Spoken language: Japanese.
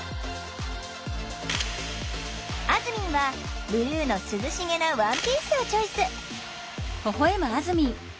あずみんはブルーの涼しげなワンピースをチョイス。